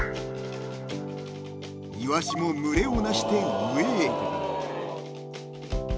［イワシも群れを成して上へ］